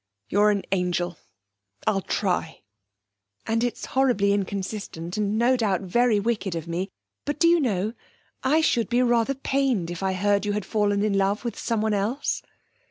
You're an angel I'll try.' 'And it's horribly inconsistent, and no doubt very wicked of me, but, do you know, I should be rather pained if I heard you had fallen in love with someone else.'